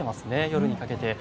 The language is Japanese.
夜にかけて。